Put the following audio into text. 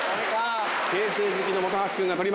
京成好きの本橋君が取りました。